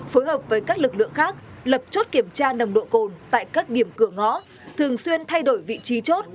phối hợp với các lực lượng khác lập chốt kiểm tra nồng độ cồn tại các điểm cửa ngõ thường xuyên thay đổi vị trí chốt